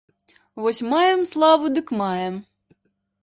Вось маем славу дык маем!